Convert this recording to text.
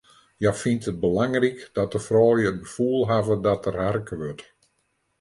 Hja fynt it belangryk dat de froulju it gefoel hawwe dat der harke wurdt.